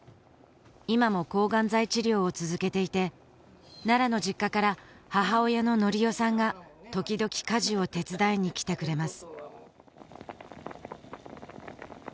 今も抗がん剤治療を続けていて奈良の実家から母親の典代さんが時々家事を手伝いに来てくれます